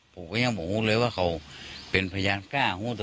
เป็นพระยาจผมก็ยังบอกวู้เลย